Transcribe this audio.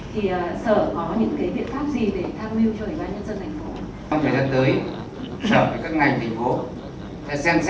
thì sở có những biện pháp gì để tham lưu cho người bán nhân dân thành phố